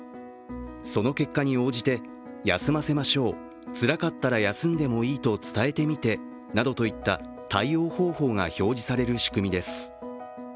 その結果に応じて休ませましょう、つらかったら休んでいいと伝えてみてなどといった対応方法が表示される仕組みです。